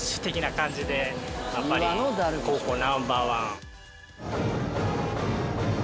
やっぱり高校ナンバー１。